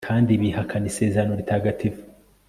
kandi bihakana isezerano ritagatifu